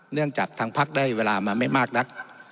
จากทางพักได้เวลามาไม่มากนัก